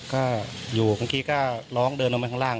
ไม่เคยครับก็อยู่บ้างกี้กุ่้านลองเดินลุ้งมาล้าง